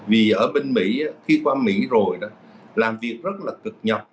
vì ở bên mỹ khi qua mỹ rồi đó làm việc rất là cực nhập